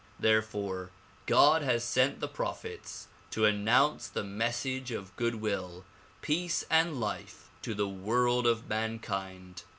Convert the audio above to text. Therefore God has sent his prophets to announce the message of good will, peace and life to the world of mankind.